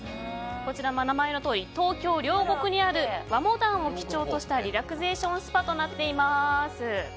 こちら、名前のとおり東京・両国にある和モダンを基調としたリラクゼーションスパとなっています。